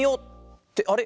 ってあれ？